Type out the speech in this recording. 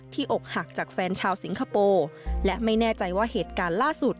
อกหักจากแฟนชาวสิงคโปร์และไม่แน่ใจว่าเหตุการณ์ล่าสุด